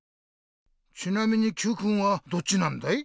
ちなみにＱくんはどっちなんだい？